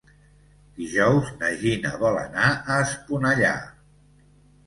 Dijous na Gina vol anar a Esponellà.